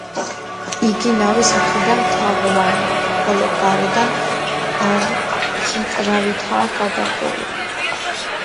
იგი ნავის მხრიდან თაღოვანია, ხოლო გარედან არქიტრავითაა გადახურული.